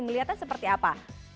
melihatnya seperti apa